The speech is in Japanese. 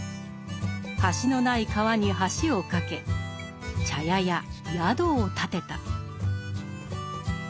橋のない川に橋を架け茶屋や宿を建てた。